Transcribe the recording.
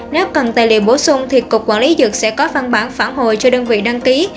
nếu cần tài liệu bổ sung thì cục quản lý dược sẽ có phân bản phản hồi cho đơn vị đăng ký